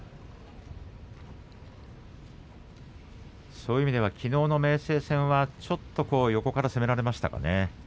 そういう意味ではきのう明生に横から攻められましたね